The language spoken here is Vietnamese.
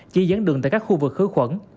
chỉ dẫn đường tại các khu vực khử khuẩn